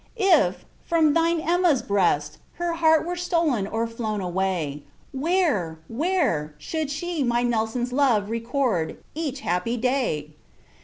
If, from thine Emma's breast, her heart Were stolen or flown away; Where! where! should she my Nelson's love Record, each happy day?